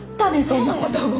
そんなことも。